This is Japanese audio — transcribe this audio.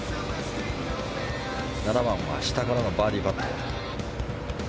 ７番は下からのバーディーパット。